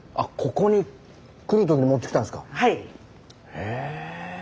へえ。